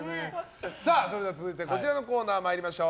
それでは続いてこちらのコーナー参りましょう。